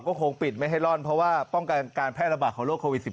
ก็คงปิดไม่ให้ร่อนเพราะว่าป้องกันการแพร่ระบาดของโรคโควิด๑๙